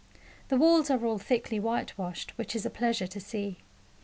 The walls are all thickly whitewashed, which is a pleasure to see.